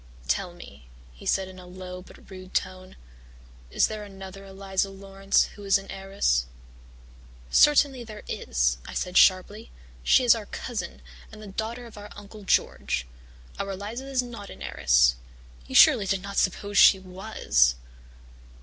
"'Tell me,' he said in a low but rude tone, 'is there another Eliza Laurance who is an heiress?' "'Certainly there is,' I said sharply. 'She is our cousin and the daughter of our Uncle George. Our Eliza is not an heiress. You surely did not suppose she was!'